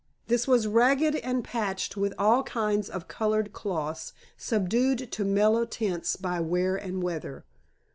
This was ragged and patched with all kinds of colored cloths subdued to mellow tints by wear and weather.